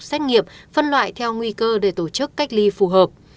xét nghiệm phân loại theo nguy cơ để tổ chức cách ly phù hợp